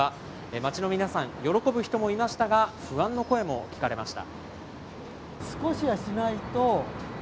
街の皆さん、喜ぶ人もいましたが、不安の声も聞かれました。